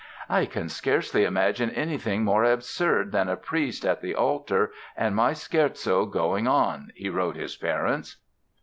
"I can scarcely imagine anything more absurd than a priest at the altar and my Scherzo going on", he wrote his parents.